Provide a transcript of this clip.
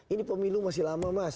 ini pemilu masih lama mas